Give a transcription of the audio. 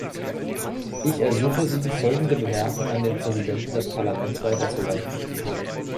Ich ersuche Sie, folgende Bemerkung an den Präsidenten des Parlaments weiterzuleiten.